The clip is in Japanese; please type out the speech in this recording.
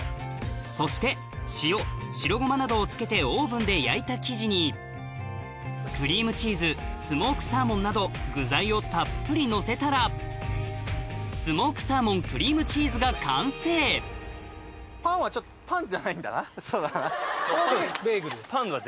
そして塩白ゴマなどをつけてオーブンで焼いた生地にクリームチーズスモークサーモンなど具材をたっぷりのせたらスモークサーモン＆クリームチーズが完成ベーグルです。